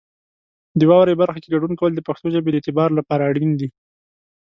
د واورئ برخه کې ګډون کول د پښتو ژبې د اعتبار لپاره اړین دي.